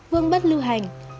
vương bất lưu hành